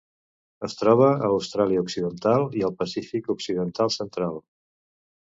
Es troba a Austràlia Occidental i al Pacífic occidental central.